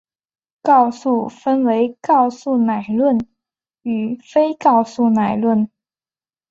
告诉分为告诉乃论与非告诉乃论。